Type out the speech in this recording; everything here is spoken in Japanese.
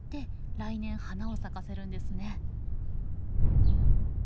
来年花を咲かせるんですね。